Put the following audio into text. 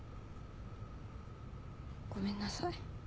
ごめんなさい。